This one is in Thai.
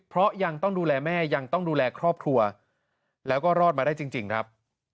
เพราะยังต้องดูแลแม่ยังต้องดูแลครอบครัวแล้วก็รอดมาได้จริงครับ